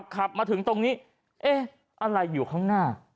ขับมาถึงตรงนี้เอ๊ะอะไรอยู่ข้างหน้า